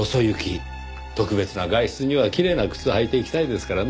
特別な外出にはきれいな靴を履いていきたいですからねぇ。